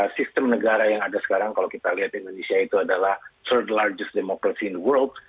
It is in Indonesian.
sistem negara yang ada sekarang kalau kita lihat indonesia itu adalah third largest democracy in growth